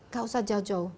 gak usah jauh jauh